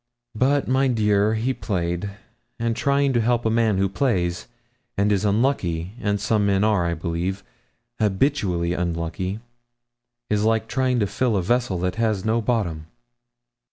But, my dear, he played; and trying to help a man who plays, and is unlucky and some men are, I believe, habitually unlucky is like trying to fill a vessel that has no bottom.